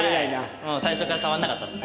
最初から変わらなかったですね。